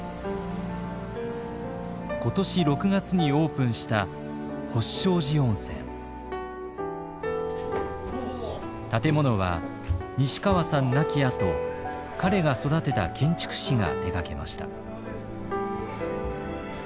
今年６月にオープンした建物は西川さん亡きあと彼が育てた建築士が手がけました。